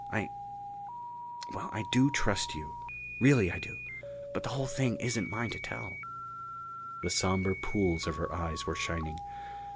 I ... well, I do trust you. Really I do, but the whole thing isn't mine to tell." The somber pools of her eyes were shining.